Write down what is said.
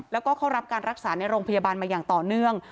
แล้วก็เข้ารับการรักษาในโรงพยาบาลมาอย่างต่อเนื่อง